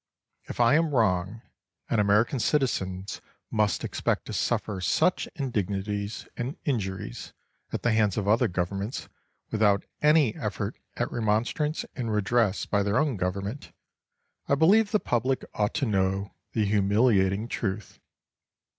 If I am wrong, and American citizens must expect to suffer such indignities and injuries at the hands of other governments without any effort at remonstrance and redress by their own government, I believe the public ought to know the humiliating truth.